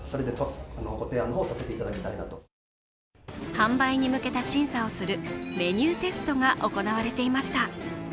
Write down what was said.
販売に向けた審査をするメニューテストが行われていました。